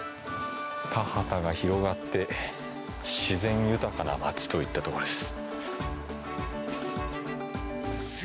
田畑が広がって、自然豊かな町といったところです。